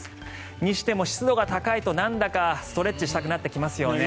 にしても湿度が高いとなんだかストレッチしたくなりますよね。